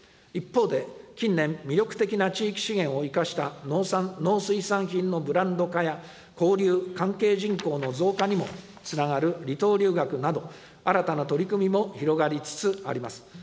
一方で、近年、魅力的な地域資源を生かした農水産品のブランド化や、交流、関係人口の増加にもつながる離島留学など、新たな取り組みも広がりつつあります。